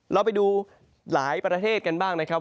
เราไปดูหลายประเทศกันบ้างนะครับ